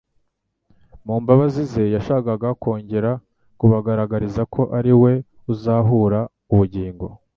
Mu mbabazi ze, yashakaga kongera kubagaragariza ko ari we uzahura ubugingo